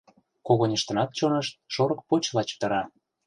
Когыньыштынат чонышт шорык почла чытыра.